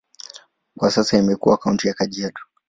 Kwa sasa imekuwa kaunti ya Kajiado.